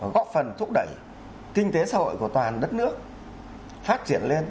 góp phần thúc đẩy kinh tế xã hội của toàn đất nước phát triển lên